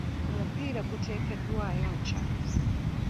Omupiira guteekeddwayo nkya.